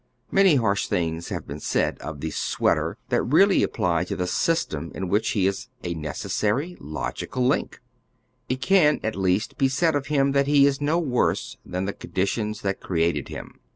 Many harsh things have been said of tlie " sweater," that really applj' to the system in which he is a necessary, logical link. It can at least be said of him that he is no worse than the conditions that created him.